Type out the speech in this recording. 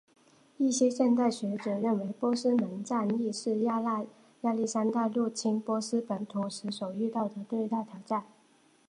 一些现代学者认为波斯门战役是亚历山大入侵波斯本土时所遇到的最大挑战。